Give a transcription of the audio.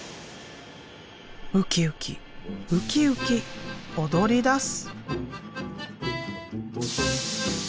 ウキウキウキウキ踊りだす。